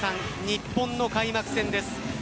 日本の開幕戦です。